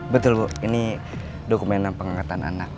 betul bu ini dokumen pengangkatan anak